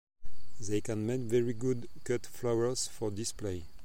They can make very good cut flowers for display.